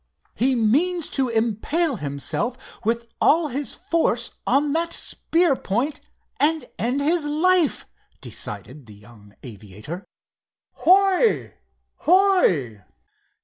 "He means to impale himself with all his force on that spear point and end his life," decided the young aviator. "Hoi hoi!"